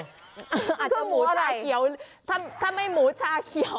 อาจจะหมูชาเขียว